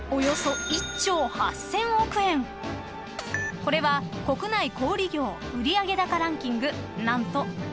［これは国内小売業売上高ランキング何と４位！］